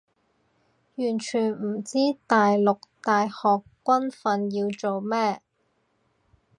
完全唔知大陸大學軍訓要做咩